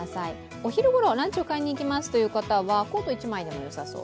お昼ごろ、ランチを買いにいきますという方はコート１枚でもよさそう。